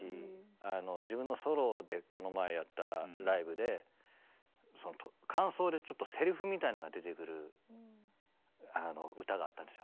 あの自分のソロでこの前やったライブでその間奏でちょっとセリフみたいなのが出てくるあの歌があったんですよ。